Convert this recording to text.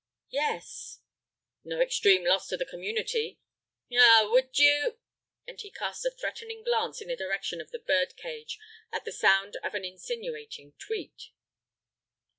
"Yes." "No extreme loss to the community. Ah—would you—!" and he cast a threatening glance in the direction of the bird cage at the sound of an insinuating "tweet."